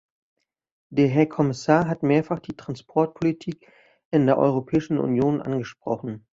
Der Herr Kommissar hat mehrfach die Transportpolitik in der Europäischen Union angesprochen.